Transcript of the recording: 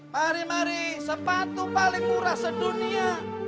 mari mari sepatu paling murah sedunia